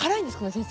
先生。